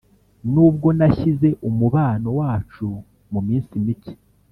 nubwo nashyize umubano wacu muminsi mike,